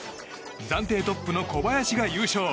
暫定トップの小林が優勝。